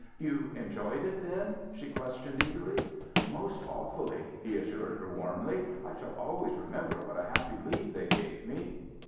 "You enjoyed it, then?" she questioned eagerly. "Most awfully," he assured her warmly. "I shall always remember what a happy leave they gave me."